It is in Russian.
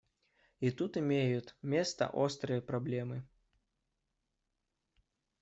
И тут имеют место острые проблемы.